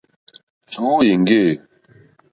Tǔ èŋɡê.